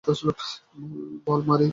বল, মারি।